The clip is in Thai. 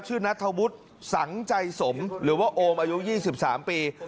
ชื่อนัฐวุธสังใจสมหรือว่าโอมอายุยี่สิบสามปี